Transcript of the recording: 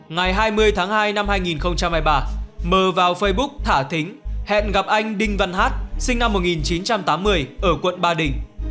ngày hai mươi tháng hai năm hai nghìn hai mươi ba mờ vào facebook thả thính hẹn gặp anh đinh văn hát sinh năm một nghìn chín trăm tám mươi ở quận ba đình